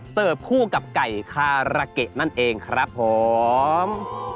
คู่กับไก่คาราเกะนั่นเองครับผม